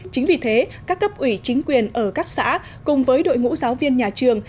chính vì thế các cấp ủy chính quyền ở các xã cùng với đội ngũ giáo viên nhà trường